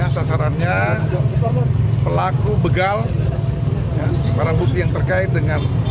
sasarannya pelaku begal barang bukti yang terkait dengan